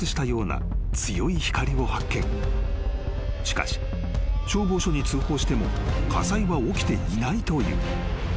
［しかし消防署に通報しても火災は起きていないという］